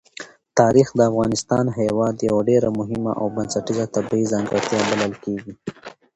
تاریخ د افغانستان هېواد یوه ډېره مهمه او بنسټیزه طبیعي ځانګړتیا بلل کېږي.